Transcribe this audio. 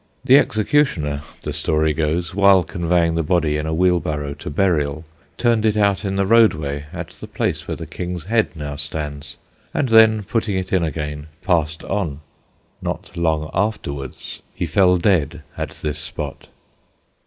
The executioner, the story goes, while conveying the body in a wheelbarrow to burial, turned it out in the roadway at the place where the King's Head now stands, and then putting it in again, passed on. Not long afterwards he fell dead at this spot.